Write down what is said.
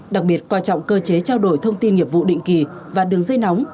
đặc biệt coi trọng cơ chế trao đổi thông tin nghiệp vụ định kỳ và đường dây nóng